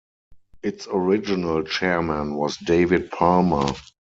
Its original chairman was David Palmer.